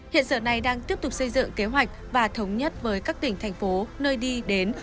hiện sở này đang tiếp tục xây dựng kế hoạch và thống nhất với các tỉnh thành phố nơi đi đến